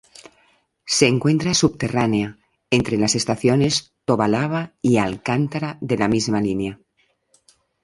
Se encuentra subterránea, entre las estaciones Tobalaba y Alcántara de la misma línea.